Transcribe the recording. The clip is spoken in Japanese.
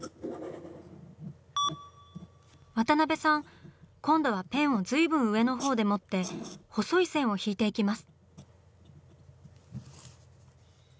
渡辺さん今度はペンを随分上の方で持って細い線を引いていきます。